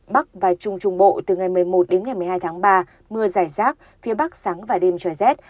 bắc và trung dù bộ từ ngày một mươi một một mươi hai ba mưa dài rác phía bắc sáng và đêm trời rét